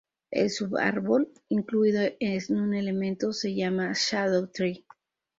El subárbol incluido en un elemento se llama shadow tree.